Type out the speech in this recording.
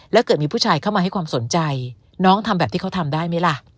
แล้วเกิดมีผู้ชายเข้ามาให้ความสนใจน้องทำแบบที่เขาทำได้ไหมล่ะ